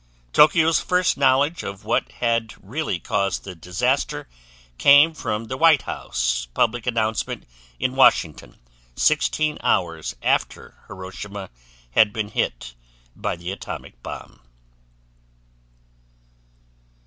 Tokyo's first knowledge of what had really caused the disaster came from the White House public announcement in Washington sixteen hours after Hiroshima had been hit by the atomic bomb.